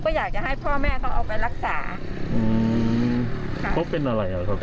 ก็อยากจะให้พ่อแม่เขาเอาไปรักษาอืมค่ะเขาเป็นอะไรอ่ะครับ